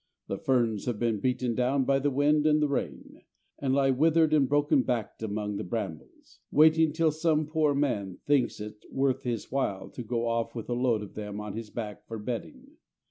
The ferns have been beaten down by the wind and the rain, and lie withered and broken backed among the brambles, waiting till some poor man thinks it worth his while to go off with a load of them on his back for bedding.